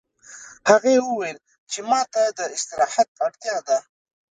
هغې وویل چې ما ته د استراحت اړتیا ده